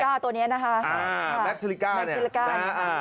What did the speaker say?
บรรทาลิกาตัวนี้นะคะ